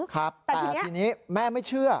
ครับแต่ทีนี้แม่ไม่เชื่อ